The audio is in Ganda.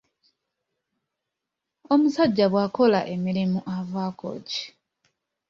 Omusajja bw'akola emirimu avaako ki?